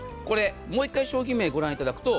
もう一回商品名をご覧いただくと。